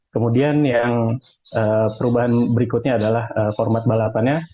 kemudian yang perubahan berikutnya adalah format balapannya